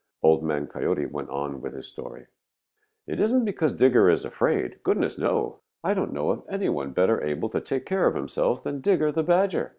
Old Man Coyote went on with his story. "It isn't because Digger is afraid. Goodness, no! I don't know of any one better able to take care of himself than Digger the Badger.